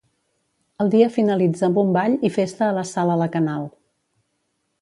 El dia finalitza amb un ball i festa a la sala la Canal.